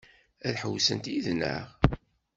Ad ḥewwsent yid-neɣ?